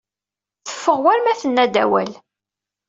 Teffeɣ war ma tenna-d awal.